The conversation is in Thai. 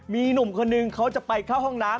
มีหนุ่มคนนึงเขาจะไปเข้าห้องน้ำ